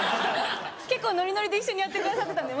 結構ノリノリで一緒にやってくださってたんで。